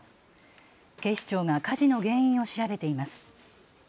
警視庁が火事の原因を調べています。